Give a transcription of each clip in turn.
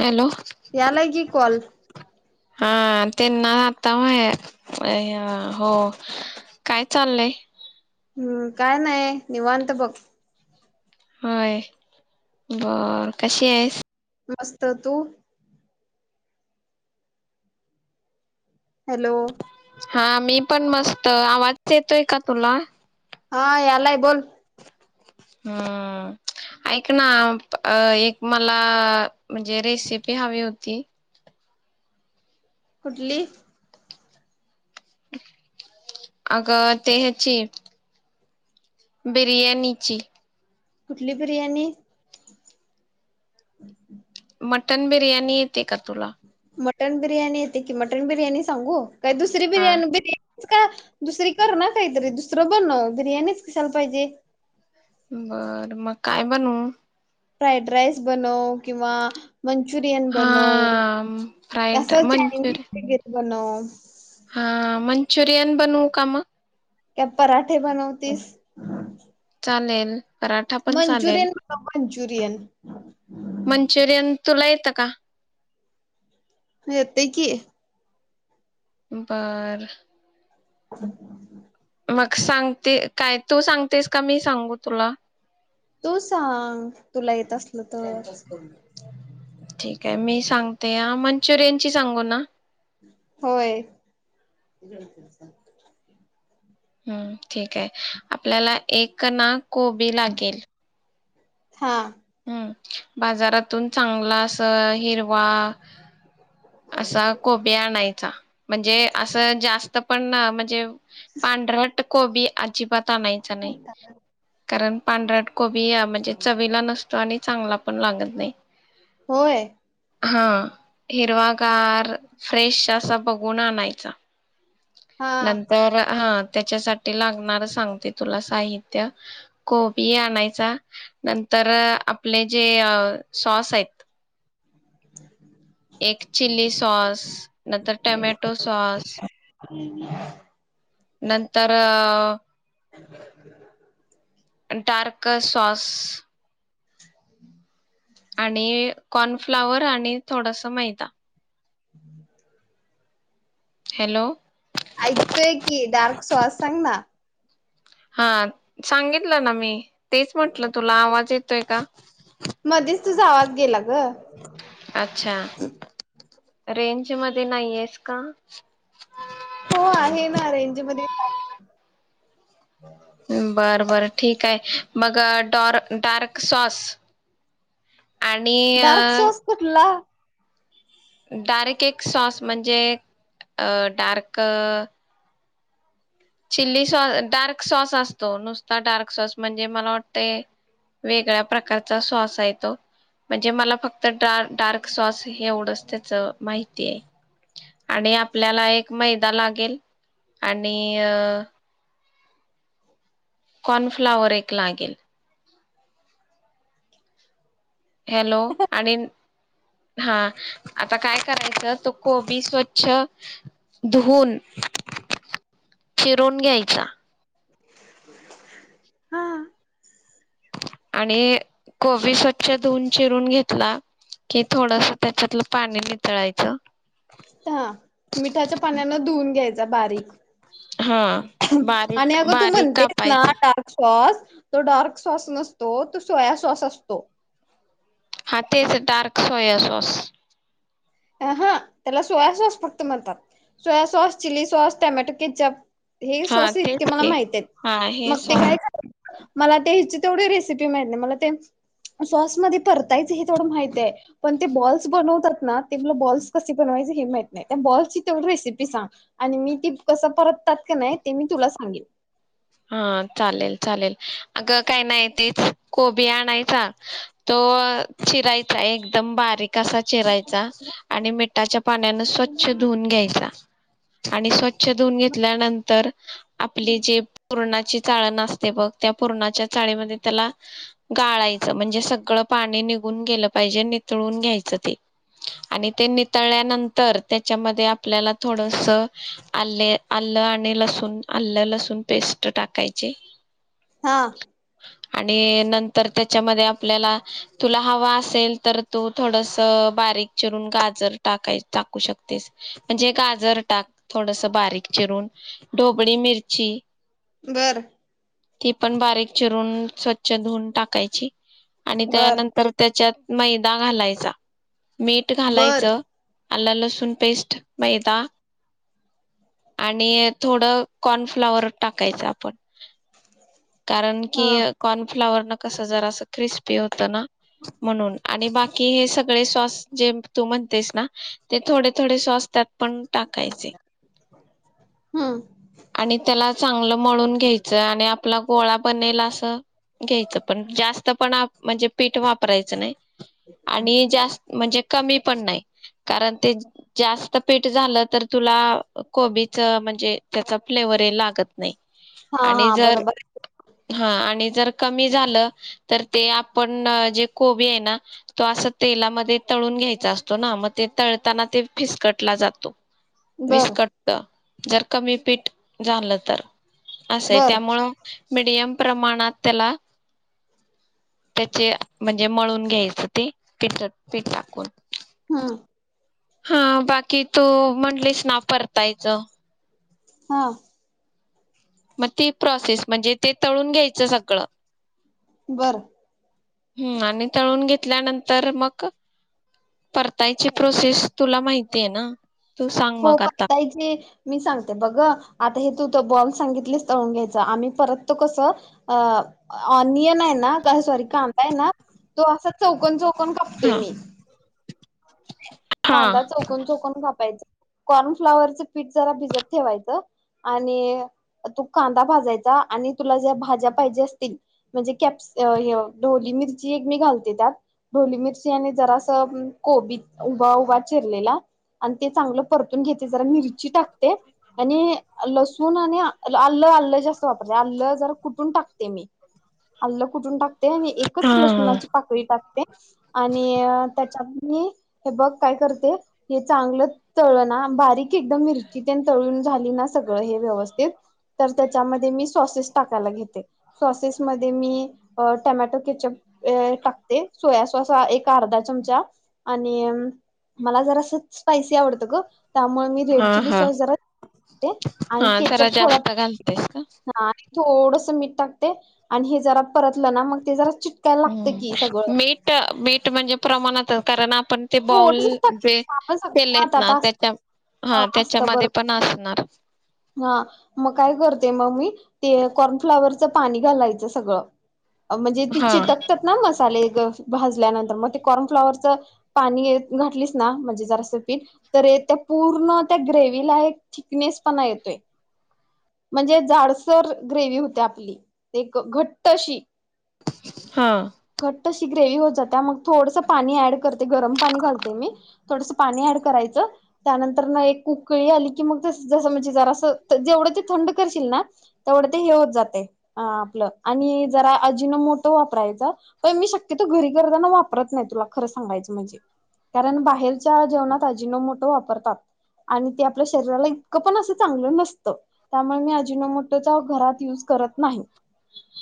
Hello यालाय की call हा त्यांना आता व्हय व्हय हो काय चाललंय? हम्म काय नाही निवांत बघ. व्हय बर कशी आहेस? मस्त. तू? हॅलो हा मी पण मस्त आवाज येतोय का तुला हा यालाय बोल हम्म ऐक ना एक मला म्हणजे रेसिपी हवी होती कुटली अग ते ह्याची बिरयाणीची कुठली बिर्याणी मटन बिर्याणी ते कर तुला मटन बिर्याणी येते की मटन बिर्याणी सांगू काय दुसरी हा बिर्याणी बनिव का दुसरी कर ना काहीतरी दुसरं बनव बिर्याणीच कशाला पाहिजे बर मग काय बनवु फ्राईड राईस बनव किंवा मंचुरियन हा बनव फ्राईड तसंच मंचुरियन चायनीज वगैरे बनव हा मंचुरीयन बनवू का मग काय पराठे बनवतीस चालेल पराठा पण चालेल मंचुरियन बनव मंचुरियन मंचुरीयन तुला ये त का येतयकी बार [inaudible] मग सांगते काय तू सांगतेस का मी सांगू तुला तू सांग तुला येत असलं तर मंचूरीयनची सांगू ना होय हम्म ठीक आहे आपल्याला एक ना कोबी लागेल हा हम्म बाजारातून चांगला अस हिरवा असा कोबी आणाय च्चा म्हणजे असं जास त पण ना म्हणजे पांढरट कोबी अजिबात आणायचं नाही कारण पांढरट कोबीया म्हणजे चवीला नस तो आणि चांगला पण लागत नाही होय हं हिरवागार फ्रेश असा बघून आणाय च्चा हा नंतर हां त्याच्यासाठी लागणारं सांगते तुला साहित्य कोबी आणायचा नंतर अं आपले जे अ सॉस आहेत एक चिली सॉस नंतर टॅमॅटो सॉस [inaudible] नंतर अ [inaudible] डार्क सॉस [inaudible] आणि कॉर्नफ्लावर आणि थोडंस मैदा [inaudible] हॅलो ऐकतोय की डार्क सॉस सांग ना हां सांगितलं ना मी तेच म्हटलं तुला आवाज येतोय का मध्येच तुझा आवाज गेला ग अच्छा रेंज मध्ये नाहीयस का हो आहे ना [unintelligible] बरं - बरं ठीक आहे मग डॉर डार्क सॉस आणि डार्क अ, सोस कुटला डार्क एक सॉस म्हणजे अ डार्क चिली सॉस अ डार्क सॉस असतो नुसता डार्क सॉस म्हणजे मला वाटते वेगळ्या प्रकारचा सॉस आहे तो म्हणजे मला फक्त डार - डार्क सॉस एवढंच त्याच माहितीए आणि आपल्याला एक मैदा लागेल आणि ईअ कॉर्नफ्लाॅवर एक लागेल हॅलो आणिन हां आता काय करायचं तो कोबी स्वच्छ धुवन चिरून घ्यायचा [inaudible] हा आणि कोबी स्वच्छ धुऊून चिरून घेतला की थोडस त्याच्यातलं पाणी निथळयच ह मिठाच्या पाण्यान धुवून घ्यायचा बारीक हा आणि बारीक अगं तू बारीक म्हणतेस ना कापायचं डार्क सॉस तो डार्क सॉस नसतो तो सोया सॉस असतो हा तेच डार्क सोया सॉस हा त्याला सोया सॉस फक्त म्हणतात soya sauce chilli sauce tomato ketchup हे हा स्वास इतके तेच मला ते माहित आहेत हा हे मग ते सॉस काय मला ते ह्याची तेवढी रेसिपी माहित नाही मला ते सॉसमध्येध्ये परतायचं हे तेवढ माहित आहे पण ते बॉल्स बनवतात ना ते मला बॉल्स कसे बनवायचे हे माहित नाही त्या बॉल्सची तेवढी रेसिपी सांग आणि मी ती कसं परततात कनाय ते मी तुला सांगेन हा चालेल चालेल अगं काय नाही तेच कोबी आणायचा तो चिरायचा एकदम बारीक कसा चिरायचा आणि मिठाच्या पाण्यानं स्वच्छ धुऊन घ्यायचा आणि स्व च्छ धुन घेतल्यानंतर आपले जे पुरणाची चाळण असते बघ त्या पुरणाच्या चाळणी मध्ये त्याला गाळायचं म्हणजे सगळं पाणी निघून गेलं पाहिजे नितळून घ्यायचं ते आणि ते नितळल्यानंतर त्याच्यामध्ये आपल्याला थोडसं आल्ले आलं आणि लसूण आलं लसूण पेस्ट टाकायचे हा आणि नंतर त्याच्यामध्ये आपल्याला तुला हवा असेल तर तू थोडसं बारीक चिरून गाजर टाकाय टाकू शकतेस म्हणजे गाजर टाक थोडसं बारीक चिरून ढोबळी मिरची बरं ती पण बारीक चिरून स्वच्छ धुवून टाकायची आणि बर त्यानंतर त्याच्यात मैदा घालायचा मीठ बर घालायचं आला लसूण पेस्ट मैदा आणि थोडं कॉर्नफ्लॉवर टाकायचं आपण कारण की हा कॉर्नफ्लावरनं कसं जरासं क्रिस्पी होत ना म्हणून आणि बाकी हे सगळे सॉस जे तू म्हणतेस ना ते थोडे थोडे सॉस त्यात पण टाकायचे हम्म आणि त्याला चांगलं मळून घ्यायचं आणि आप आपला गोळा बनेल असं घ्यायचं पण जास्त पण आ म्हणजे पीठ वापरायचं नाही आणि जास्त म्हणजे कमी पण नाही कारण ते जास्त पीठ झालं तर तुला कोबीचं म्हणजे त्याचा फ्लेवर हे लागत नाही हा आणि हा जर बरोबर हा आणि जर कमी झालं तर ते आपण जे कोबी आहे ना तो असं तेलामध्ये तळून घ्यायचा असतो ना मग ते तळताना ते फिसकटला जातो बर विस्कटतं जर कमी पीठ झालं तर असं आहे बर त्यामुळं मिडियम प्रमाणात त्याला त्याचे म्हणजे मळून घ्यायचं ते पिठ पीठ टाकून हम्म हा बाकी तू म्हटलीस ना परतायचं हा मग ती प्रोसेस म्हणजे ते तळून घ्यायचं सगळं बरं हूं आणि तळून घेतल्यानंतर मग परतायची प्रोसेस तुला माहिती आहे ना. तू सांग हो मग आता पण [unintelligible] जे मी सांगते बघ आता हे त तू बॉल सांगितलेस तळून घ्यायचा आम्ही परततो कसं अ ऑनियन आहे ना सॉरी कांदाय ना तो असा चौकन चौक कोण कापतोय हा मी हा कांदा चौकोन चौकोन कापायचा कॉर्नफ्लाॉवरचं पीठ जरा भिजत ठेवायचं आणि तू कांदा भाजायचा आणि तुला ज्या भाज्या पाहिजे असतील म्हणजे कॅप्स ढोबली मिरची एक मी घालते त्यात ढोबली मिरची आणि जरासं कोबी उभा उभा चिरलेला आणि ते चांगलं परतून घेते जरा मिरची टाक आणि लसूण आणि आलं आलं जास्त वापराते आलं जरा कुठून टाकते मी आलं कुठून टाकते आणि एकच हा लसूणाची पाकळी टाकते आणि त्याच्या नी हे बघ काय करते हे चांगलं तळणा बारीक एकदम मिरची तळून झाली ना सग हे व्यवस्थित तर त्याच्या मधे मी सॉसेस टाकायला घेते सॉसेस मधे मी अ टॅमॅटो कॅचअप अ टाकते सोया सॉस एक अर्धा चमचा आण मला जरासच स्पायसी आवडत ग त्यामुळ मी रेड हा चिली हा सॉस जर [unintelligible] आणि हा कॅचअप जरा थोडा जास्त घालतेस का [unintelligible] थोडस मीठ टाकते आणि हे जरा परतल ना मग ते जरा चिटकायला लागतं की सगळं हूं मीठ मीठ म्हणजे प्रमाणात कारण आपण ते बॉल थोडस टाकते जे आपण सगळं केलेत आता ना आता असत त्याच्या हा असतं त्याच्यामध्ये बरोबर पण आहे असणार [unintelligible] हा मग काय करते मग मी ते कॉर्नफ्लाॉवरच पाणी घालायचं सगळं म्हणजे ती हा चिटकतात ना मसाले भाजल्या नंतर मग ते कॉर्नफ्लावरच पाणी घातलीस ना म्हणजे जरास पिठ तर पूर्ण त्या ग्रेव्हीला येक थिकनेस पणा येतोय म्हणजे जाडसर ग्रेवी होते आपली एक घट्ट अशी हा तशी ग्रेवी होत जाता मग थोडसं पाणी ऍड कर ते गरम पाणी घालते मी थोडस पाणी अ‍ॅड करायचं त्यांतर एक उकळी आली मग ज जस म्हणजे जरा जेवढं ते थंड करशील ना तेवढं ते हे होत जातय आपलं आणि जरा अजिनो मोटो वापरायचं प मी शक्यतो घरी करताना वापरत नाही तुला खरं सांगायचं म्हणजे कारण बाहेरच्या जेवणात अजिनो मोटो वापरतात आणि ते आपल्या शरीराला इत क पण असं चांगलं नस त त्यामुळे मी [inaudible] मोठ घरात युज करत नाही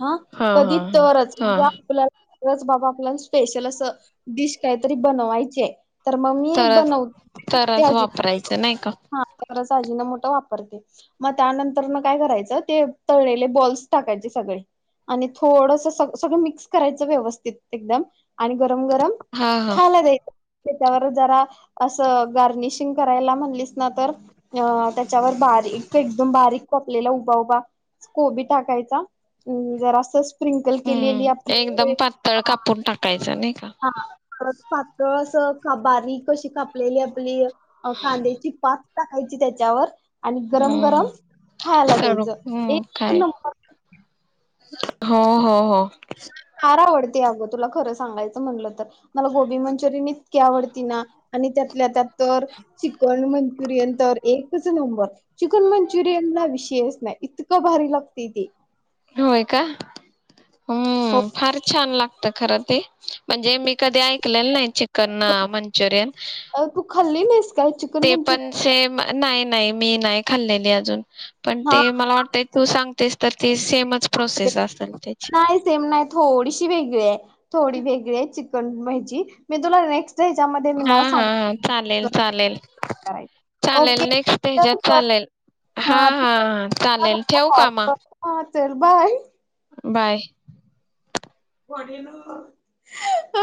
हा कधी हा हा तरच म्हणजे हा आपल्याला तरच बाबा आपल्याला स्पेशल असं डिश काहीतरी बनवायचीय तर मग मी तरच बनवते तरच त्याजी वापरायचं नाही का हा तर अजिना मोटो वापरते मग त्यांनंतर न काय करायचं ते तळलेले बॉल्स टाकायचे सगळे आणि थोडसं सग सगळं मिक्स करायचं व्यवस्थित एकदम आणि गरम गरम गरम हा हा खायला द्यायच. त्याच्यावर जरा असं गार्निशिंग करायला म्हणलीस ना तर अ लेला उभा उभा स्कोबी टाकायचा जर अस हम्म एकदम पातळ कापून टाकायचा नाही का हा परत पातळ असं कबारीक अशी कापलेली आपली अ कांद्याची पात टाकायची त्याच्यावर आणि गरम गरम हम्म खायाला स्वरूप द्यायचं हम्म एक काय नंबर हो हो हो फार आवडते अगं तुला खरं सांगायचं म्हटलं तर मला गोबी मंचुरियन इत इतकी आवडती ना आणि त्यातल्या त्यात तर चिकन मंचुरियन तर एक नंबर चिकन मंचुरियन ला विशयच नाही इतकं भारी लागते ते होय का हो हम्म फार छान लागतं खरंच ते म्हणजे मी कधी ऐकलेल नाही चिकन मंचुरियन अ, तू खाल्ली नाहीस काय चिकन ते पण मंचुरियन सेम नाही नाही मी नाही खाल्लेली अजून पण [inaudible] ते हा मला वाटतंय तू सांगतेस तर ती सेमच प्रोसेस असेल त्याची नाही सेम नाही थोडीशी वेगळी आहे थोडी वेग [unintelligible] मी तुला न हा हा हा चालेल चालेल करायच चालेल ओके नेक्स्ट तर ह्याच्यात कर चालेल हा ह हा चालेल ठेव कॉल कामा कर हा चल बाय बाय [unintelligible]